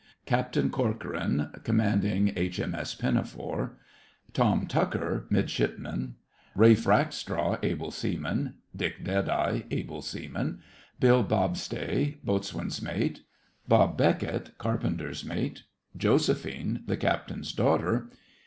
CAPTAIN CORCORAN (Commanding H.M.S. Pinafore). TOM TUCKER (Midshipmite). RALPH RAKESTRAW (Able Seaman). DICK DEADEYE (Able Seaman). BILL BOBSTAY (Boatswain's Mate). BOB BECKET (Carpenter's Mate). JOSEPHINE (the Captain's Daughter).